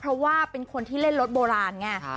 เพราะว่าเป็นคนที่เล่นรถโบราณไง